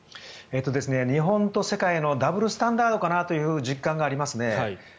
日本と世界のダブルスタンダードかなという実感がありますね。